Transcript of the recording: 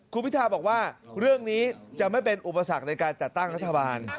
คุณพิทาบอกว่าเรื่องนี้จะไม่เป็นอุปสรรคในการจัดตั้งรัฐบาล